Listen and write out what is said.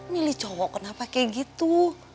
milih cowok kenapa kayak gitu